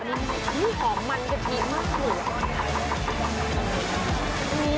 อื้อหอมมันกับดีมากเลย